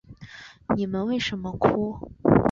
你们为什么哭？